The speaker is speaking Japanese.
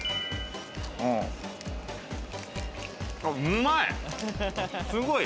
うまい！